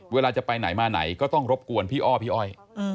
เวลาจะไปไหนมาไหนก็ต้องรบกวนพี่อ้อพี่อ้อย